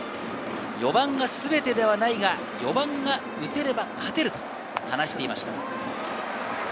４番がすべてではないが、４番が打てれば勝てると話していました。